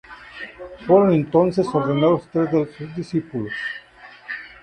Fueron entonces ordenados tres de sus discípulos.